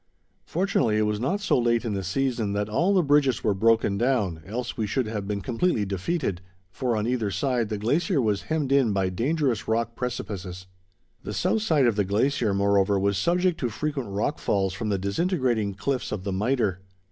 Fortunately, it was not so late in the season that all the bridges were broken down, else we should have been completely defeated, for, on either side, the glacier was hemmed in by dangerous rock precipices. The south side of the glacier, moreover, was subject to frequent rock falls from the disintegrating cliffs of the Mitre.